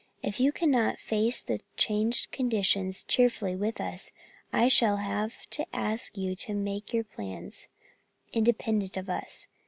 If you cannot face the changed conditions cheerfully with us, I shall have to ask you to make your plans independent of us.